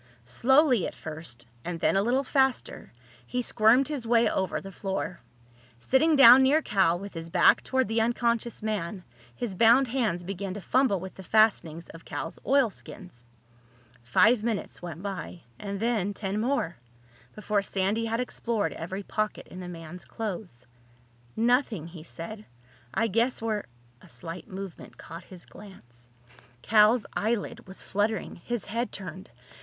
Slowly at first, and then a little faster, he squirmed his way over the floor. Sitting down near Cal, with his back toward the unconscious man, his bound hands began to fumble with the fastenings of Cal's oilskins. Five minutes went by, and then ten more, before Sandy had explored every pocket in the man's clothes. "Nothing," he said. "I guess we're—" A slight movement caught his glance. Cal's eyelid was fluttering. His head turned.